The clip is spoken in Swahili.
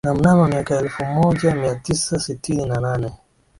Na mnamo miaka ya elfu moja mia tisa sitini na nane